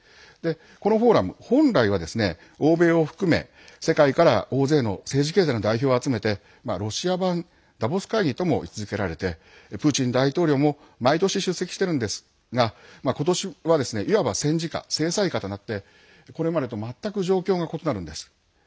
このフォーラム本来は欧米を含め世界から大勢の政治経済の代表を集めてロシア版ダボス会議とも位置づけられてプーチン大統領も毎年出席してるんですがことしはいわば戦時下、制裁下となってこれまでと全く状況が異なるんです。